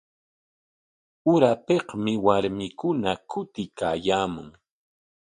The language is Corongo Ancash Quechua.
Urapikmi warmikuna kutiykaayaamun.